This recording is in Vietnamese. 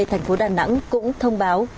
thành phố đà nẵng cũng thông báo